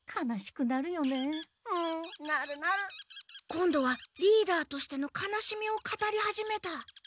今度はリーダーとしての悲しみを語り始めた。